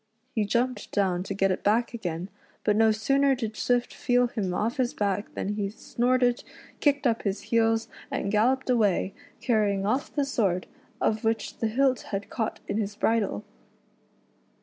He jumped down to get it back again, but no sooner did Swift feel him off his back than he snorted, kicked up his heels, and galloped away, carrying off the sword, of which the hilt had caught in his bridle.